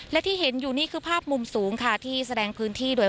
และที่เห็นอยู่นี่คือภาพมุมสูงค่ะที่แสดงพื้นที่โดย